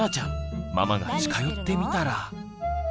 ママが近寄ってみたら。